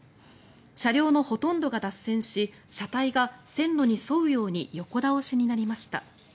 車両のほとんどが脱線し車体が線路に沿うように横倒しになりました。